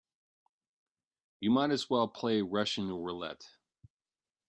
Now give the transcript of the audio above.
You might as well play Russian roulette.